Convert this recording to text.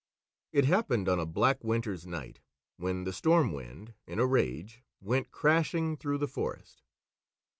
It happened on a black winter's night, when the Storm Wind in a rage went crashing through the forest.